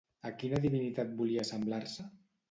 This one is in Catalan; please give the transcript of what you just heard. A quina divinitat volia assemblar-se?